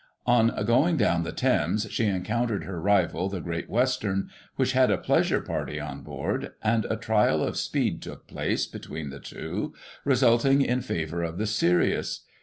On going down the Thames, she encoimtered her rival, the Great Western, which had a pleasure party on board, and a trial of speed took place between the two, resulting in favour of the Sirius.